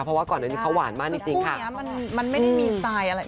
เพราะว่าก่อนอันนี้เขาหวานมากจริงค่ะคือคู่เนี้ยมันมันไม่ได้มีไซน์อะไร